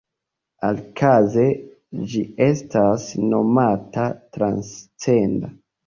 Alikaze, ĝi estas nomata "transcenda".